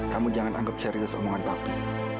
kamu jangan anggap serius omongan tapi